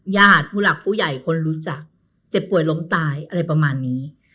ญาติผู้หลักผู้ใหญ่คนรู้จักเจ็บป่วยล้มตายอะไรประมาณนี้